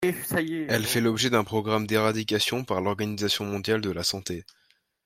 Elle fait l'objet d'un programme d'éradication par l'Organisation mondiale de la santé.